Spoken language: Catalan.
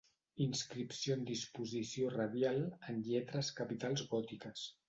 Inscripció en disposició radial en lletres capitals gòtiques.